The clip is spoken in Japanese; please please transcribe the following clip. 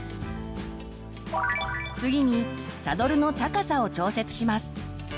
次にサドルの高さを調節します。